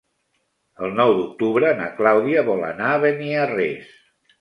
El nou d'octubre na Clàudia vol anar a Beniarrés.